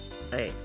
はい。